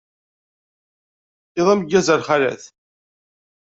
Iḍ ameggaz a lxalat.